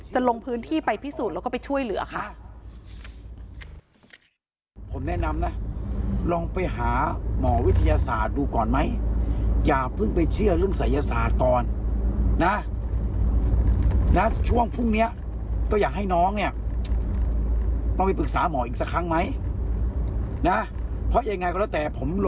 ลงพื้นที่ไปพิสูจน์แล้วก็ไปช่วยเหลือค่ะ